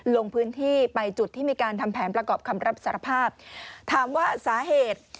ลงพื้นที่ไปจุดที่มีการทำแผนประกอบคำรับสารภาพถามว่าสาเหตุ